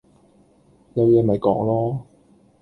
有嘢咪講囉